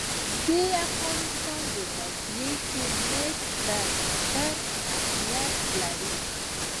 د افغانستان جغرافیه کې مس ستر اهمیت لري.